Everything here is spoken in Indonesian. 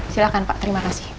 silakan pak terima kasih